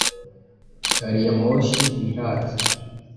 Gari ya moshi ntiraza